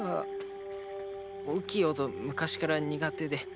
大きい音昔から苦手で。